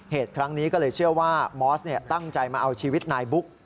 ครั้งนี้ก็เลยเชื่อว่ามอสตั้งใจมาเอาชีวิตนายบุ๊ก